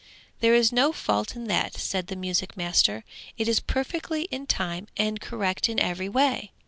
'There is no fault in that,' said the music master; 'it is perfectly in time and correct in every way!'